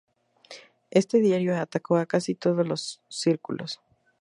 Este diario atacó a casi todos los círculos.